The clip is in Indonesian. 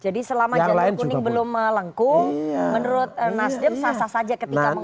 jadi selama jadwal kuning belum melengkung menurut nasdem sasah saja ketika mengusul wacana